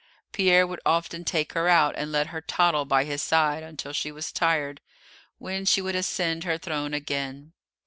Pierre would often take her out, and let her toddle by his side until she was tired, when she would ascend her throne again.